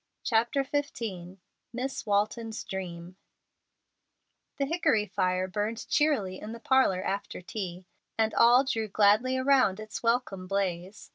CHAPTER XV MISS WALTON'S DREAM The hickory fire burned cheerily in the parlor after tea, and all drew gladly around its welcome blaze.